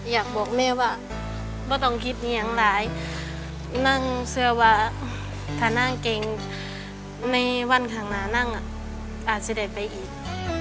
อยากบอกแม่ว่าไม่ต้องคิดนี้อย่างไรนั่งเสื้อวะทาน่างเกงในวันข้างหน้านั่งอ่ะอาจจะได้ไปอีก